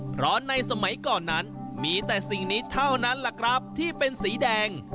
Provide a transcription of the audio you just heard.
เพราะในสมัยก่อนนั้นมีแต่สิ่งนี้เท่านั้นแหละครับที่เป็นสีแดง